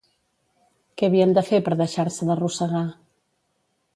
Què havien de fer per deixar-se d'arrossegar?